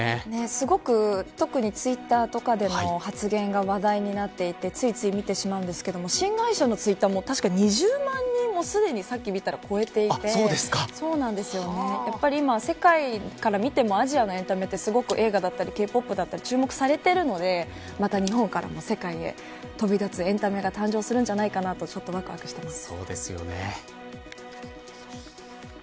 すごく特にツイッターとかでの発言が話題になっていてついつい見てしまいますが新会社のツイッターも２０万人すでに超えていて世界から見てもアジアのエンタメはすごく映画やＫ‐ＰＯＰも注目されているのでまた日本からも世界へ旅立つエンタメが誕生するのではないかとわくわくしています。